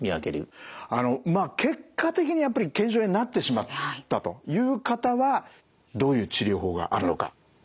あのまあ結果的に腱鞘炎になってしまったという方はどういう治療法があるのか。